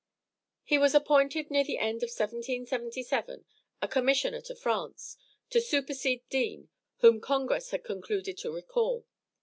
He was appointed near the end of 1777 a commissioner to France, to supercede Deane, whom Congress had concluded to recall.